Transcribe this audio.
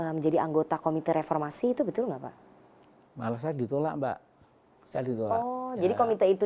yang ser menjadi anggota komite reformasi itu betul enggak pak malah ditolak mbak jadi komite itu